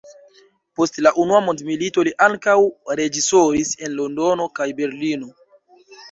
Post la unua mondmilito li ankaŭ reĝisoris en Londono kaj Berlino.